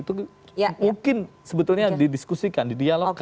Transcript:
itu mungkin sebetulnya didiskusikan didialogkan